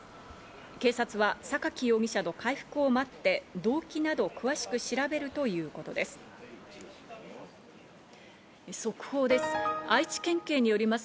警察はサカキ容疑者の回復を待って動機などを詳しく調べるという速報です。